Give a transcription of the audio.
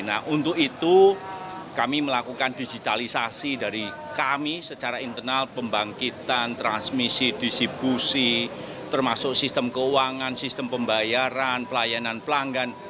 nah untuk itu kami melakukan digitalisasi dari kami secara internal pembangkitan transmisi distribusi termasuk sistem keuangan sistem pembayaran pelayanan pelanggan